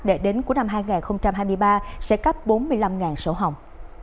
để đến cuối năm hai nghìn hai mươi ba sẽ cấp bốn mươi năm sổ hồng